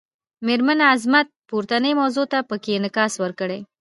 میرمن عظمت پورتنۍ موضوع ته پکې انعکاس ورکړی.